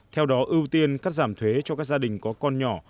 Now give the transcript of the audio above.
theo đó ưu tiên cắt giảm thuế cho các gia đình có con nhỏ